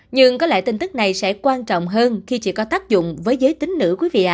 nhưng có lẽ tin tức này sẽ quan trọng hơn khi chỉ có tác dụng với giới tính nữ